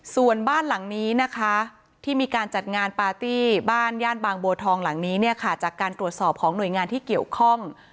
ส่วนบ้านหลังนี้นะคะที่มีการจัดงานปาร์ตี้บ้านย่านบางบัวทองหลังนี้เนี่ยค่ะจากการตรวจสอบของหน่วยงานที่เกี่ยวข้อง